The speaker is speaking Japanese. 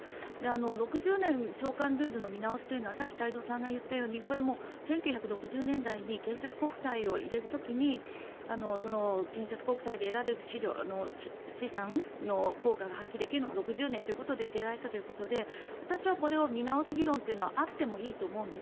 ６０年償還ルールの見直しというのはさっき太蔵さんが言ったように１９６０年代に建設国債を入れる時に建設国債で得られる資産の効果が発揮できるのが６０年ということで入れられたということで私はこれを見直す議論はあってもいいと思うんです。